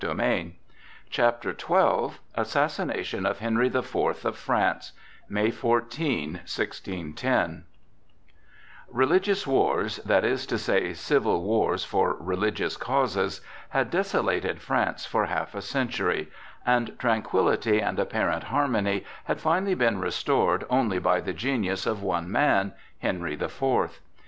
CHAPTER XII ASSASSINATION OF HENRY THE FOURTH OF FRANCE (May 14, 1610) RELIGIOUS wars—that is to say, civil wars for religious causes—had desolated France for half a century, and tranquillity and apparent harmony had finally been restored only by the genius of one man—Henry the Fourth.